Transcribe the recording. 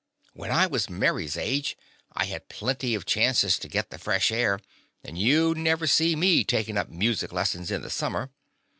When I was May's age I had plenty of chances to git the fresh air, and you 'd. never see me takin' up music lessons in the sum mer.